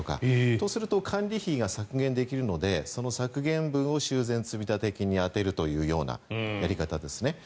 そうすると管理費を削減できるので削減分を修繕積立金に充てるというやり方ですね。